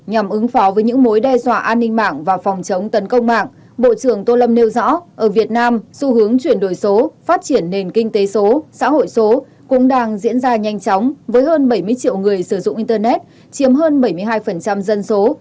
nhằm ứng phó với những mối đe dọa an ninh mạng và phòng chống tấn công mạng bộ trưởng tô lâm nêu rõ ở việt nam xu hướng chuyển đổi số phát triển nền kinh tế số xã hội số cũng đang diễn ra nhanh chóng với hơn bảy mươi triệu người sử dụng internet chiếm hơn bảy mươi hai dân số